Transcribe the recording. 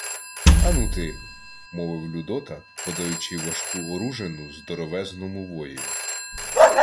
— Ану, ти, — мовив Людота, подаючи важку оружину здоровезному воєві.